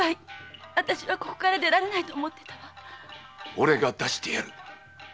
おれが出してやる。